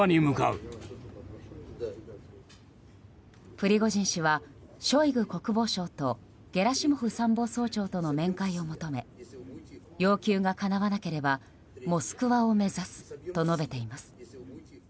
プリゴジン氏はショイグ国防相とゲラシモフ参謀総長との面会を求め要求がかなわなければモスクワを目指すと述べています。